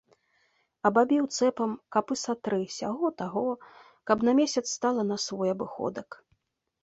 Абабіў цэпам капы са тры сяго-таго, каб на месяц стала на свой абыходак.